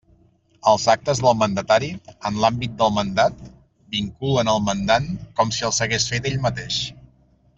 Els actes del mandatari, en l'àmbit del mandat, vinculen el mandant com si els hagués fet ell mateix.